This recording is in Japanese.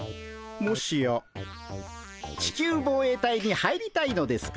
もしや地球防衛隊に入りたいのですか？